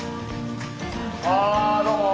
あどうも。